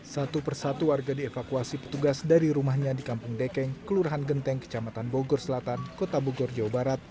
satu persatu warga dievakuasi petugas dari rumahnya di kampung dekeng kelurahan genteng kecamatan bogor selatan kota bogor jawa barat